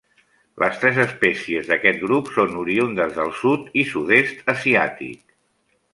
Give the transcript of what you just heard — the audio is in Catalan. Les tres espècies d'aquest grup són oriündes del sud i sud-est asiàtic.